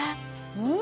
うん！